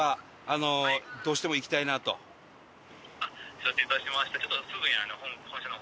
「承知いたしました」